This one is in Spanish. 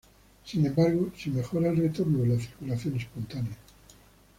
Sin embargo, sí mejora el retorno de la circulación espontánea.